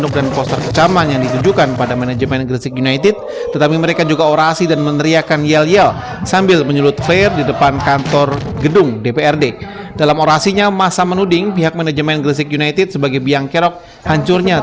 ketika kita bersama kita berdua